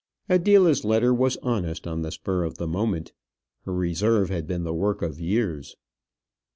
Adela's letter was honest on the spur of the moment. Her reserve had been the work of years.